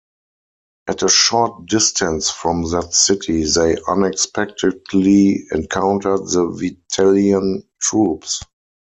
At a short distance from that city they unexpectedly encountered the Vitellian troops.